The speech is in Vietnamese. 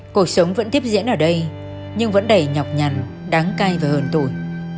cuộc sống vẫn tiếp diễn ở đây nhưng vẫn đầy nhọc nhằn đáng cay và hờn tội